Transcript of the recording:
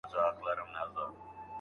که وېره نه وي دوستان مه راټولوئ.